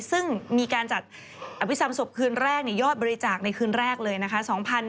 ซึ่งมีการจัดอภิษฐรรมศพคืนแรกยอดบริจาคในคืนแรกเลยนะคะ